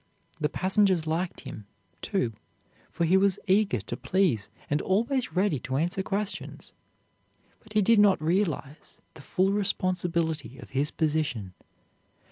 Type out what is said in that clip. The passengers liked him, too, for he was eager to please and always ready to answer questions. But he did not realize the full responsibility of his position.